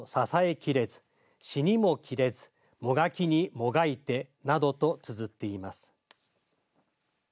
きれず死にもきれずもがきにもがいてなどとつづっています。